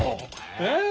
えっ？